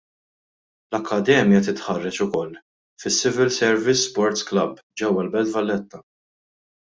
L-akkademja titħarreġ ukoll fis-Civil Service Sports Club ġewwa l-Belt Valletta.